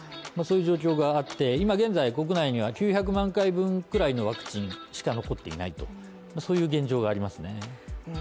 そういう状況があって今現在国内には９００万回分くらいのワクチンしか残っていないと、そういう現状がありますね